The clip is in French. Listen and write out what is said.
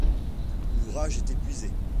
L'ouvrage est épuisé.